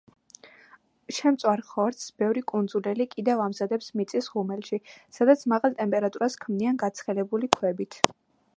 შემწვარ ხორცს ბევრი კუნძულელი კიდევ ამზადებს მიწის ღუმელში, სადაც მაღალ ტემპერატურას ქმნიან გაცხელებული ქვები.